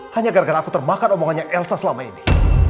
hanya gara gara aku terbakar omongannya elsa selama ini